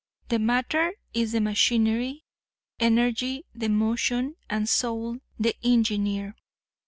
The matter is the machinery; energy the motion and soul the engineer.